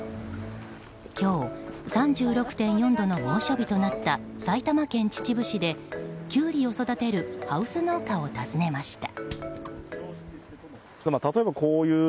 今日、３６．４度の猛暑日となった埼玉県秩父市でキュウリを育てるハウス農家を訪ねました。